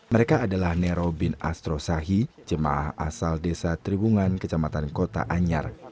mereka adalah nero bin astro sahi jemaah asal desa triwungan kecamatan kota anyar